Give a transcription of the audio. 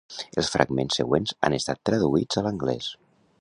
Els fragments següents han estat traduïts a l'anglès.